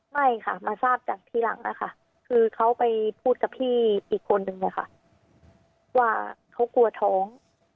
ไม่ค่ะมาทราบจากทีหลังนะคะคือเขาไปพูดกับพี่อีกคนนึงอะค่ะว่าเขากลัวท้อง